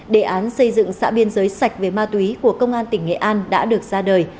đề án xây dựng xã biên giới sạch về ma túy của công an tỉnh nghệ an đã được ra đời